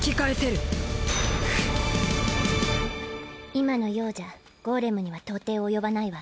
今の葉じゃゴーレムには到底及ばないわ。